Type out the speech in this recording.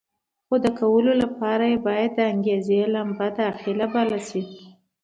خو د کولو لپاره یې باید د انګېزې لمبه داخله کې بله شي.